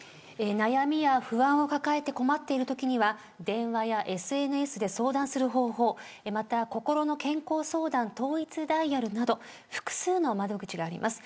悩みや不安を抱えて困っているときは電話やＳＮＳで相談する方法また、こころの健康相談統一ダイヤルなど複数の窓口があります。